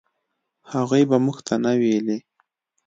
هغوی به موږ ته نه ویلې.